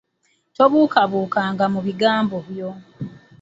Tobuukabukanga mu bigambo byo.